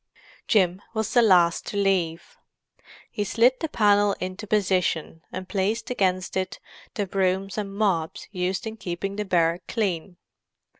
Jim was the last to leave. He slid the panel into position, and placed against it the brooms and mops used in keeping the barrack clean.